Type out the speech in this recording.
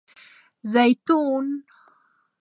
🫒 زیتون